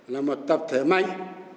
là một tập thể mạnh